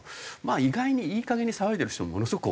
意外にいいかげんに騒いでる人もものすごく多いので。